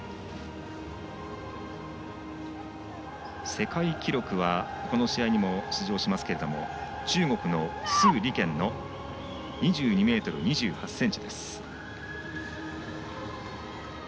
世界記録はこの大会にも出場しますけど中国の鄒莉娟の２２ｍ２８ｃｍです。